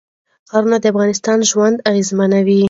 ښارونه د افغانانو ژوند اغېزمن کوي.